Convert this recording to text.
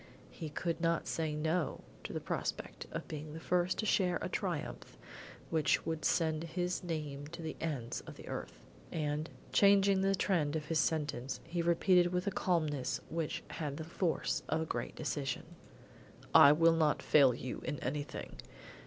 He could not say no to the prospect of being the first to share a triumph which would send his name to the ends of the earth; and, changing the trend of his sentence, he repeated with a calmness which had the force of a great decision. "I will not fail you in anything.